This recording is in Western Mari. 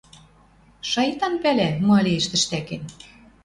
«Шайтан пӓлӓ, ма лиэш тӹштӓкен?